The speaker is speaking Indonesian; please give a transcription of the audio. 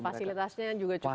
fasilitasnya juga cukup memandai